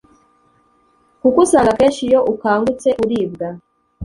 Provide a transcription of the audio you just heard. kuko usanga kenshi iyo ukangutse uribwa